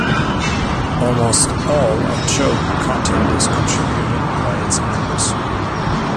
Almost all of Chowk content is contributed by its members.